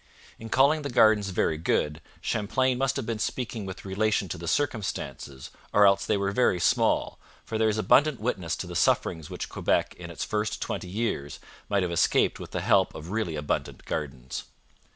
In calling the gardens very good Champlain must have been speaking with relation to the circumstances, or else they were very small, for there is abundant witness to the sufferings which Quebec in its first twenty years might have escaped with the help of really abundant gardens.